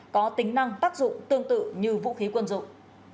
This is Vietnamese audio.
có tính năng tác dụng tương tự như vũ khí quân dụng